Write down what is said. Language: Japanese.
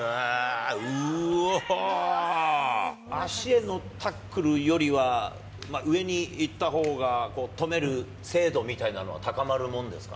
足へのタックルよりは、上にいったほうが、止める精度みたいのは高まるもんですか？